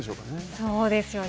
そうですよね。